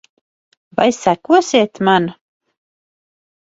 Vai sekosiet man?